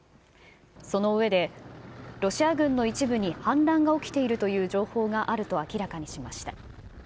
その上で、ロシア軍の一部に反乱が起きているという情報があると明らかにしました。